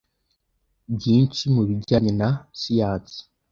byinshi mu bijyanye na siyansi,